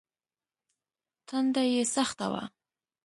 تنده يې سخته وه.